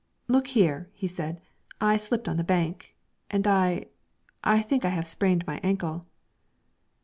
'Look here,' he said, 'I slipped on the bank and I I think I have sprained my ankle.'